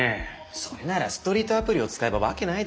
それならストリートアプリを使えばわけないですよ。